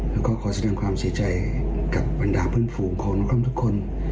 แล้วก็ขอแสดงความเสียใจกับบรรดาเพื่อนฝูงของนครทุกคน